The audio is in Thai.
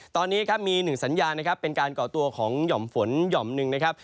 ตอนนี้ครับมีหนึ่งสัญญาณนะครับเป็นการก่อตัวของหย่อมฝนหย่อมหนึ่งนะครับ